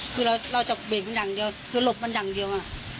คือเราจะเบรกมันอย่างเดียวคือหลบมันอย่างเดียว